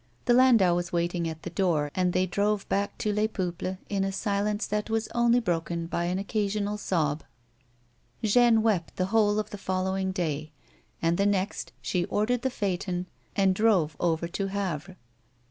The landau was waiting at the door, and they drove back to Les Peuples in a silence that was only broken by an occasional sob. Jeanne wept the whole of the following day, and the next she ordered the phaeton and drove over to Havre.